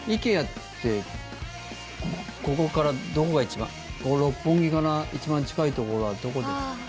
ＩＫＥＡってここからどこが一番ここ六本木から一番近いところはどこですか？